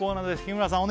日村さん